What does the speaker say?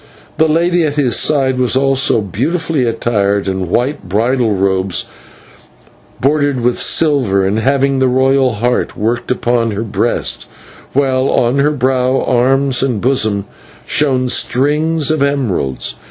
The lady at his side was also beautifully attired in white bridal robes, broidered with silver, and having the royal Heart worked upon her breast, while on her brow, arms, and bosom shone strings of emeralds.